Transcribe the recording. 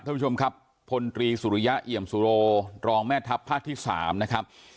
ท่านผู้ชมครับพลตรีสุริยะเอี่ยมสุโรรองแม่ทัพภาคที่๓นะครับ